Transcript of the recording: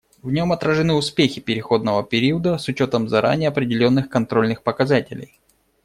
В нем отражены успехи переходного периода с учетом заранее определенных контрольных показателей.